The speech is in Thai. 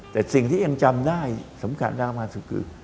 แต่สิ่งที่เอ็มจำได้สำคัญมากสุดคือ